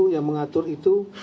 yang mengatur itu